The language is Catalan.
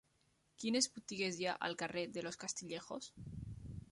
Quines botigues hi ha al carrer de Los Castillejos?